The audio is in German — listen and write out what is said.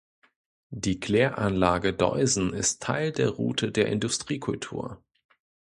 Die Kläranlage Deusen ist Teil der Route der Industriekultur.